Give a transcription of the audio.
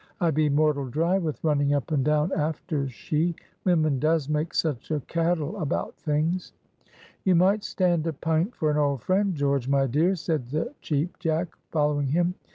I be mortal dry with running up and down after she. Women does make such a caddle about things." "You might stand a pint for an old friend, George, my dear," said the Cheap Jack, following him.